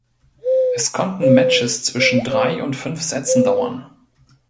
Es konnten Matches zwischen drei und fünf Sätzen dauern.